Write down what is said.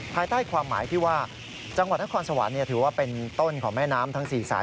ภายใต้ความหมายที่ว่าจังหวัดนครสวรรค์ถือว่าเป็นต้นของแม่น้ำทั้ง๔สาย